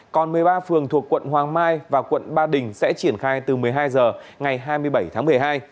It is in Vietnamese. còn một mươi ba phường thuộc quận hoàng mai và quận ba đình sẽ triển khai từ một mươi hai h ngày hai mươi bảy tháng một mươi hai